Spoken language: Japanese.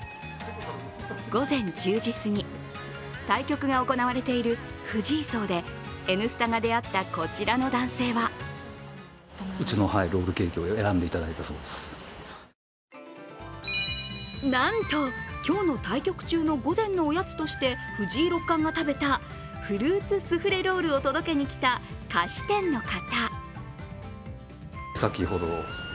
午前１０時すぎ、対局が行われている藤井荘で「Ｎスタ」が出会ったこちらの男性はなんと、今日の対局中の午前のおやつとして藤井六冠が食べたフルーツスフレロールを届けにきた菓子店の方。